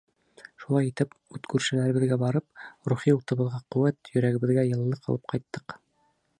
Шулай итеп, ут күршеләребеҙгә барып, рухи утыбыҙға ҡеүәт, йөрәгебеҙгә йылылыҡ алып ҡайттыҡ.